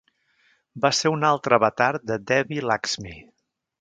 Va ser un altre avatar de Devi Laxmi.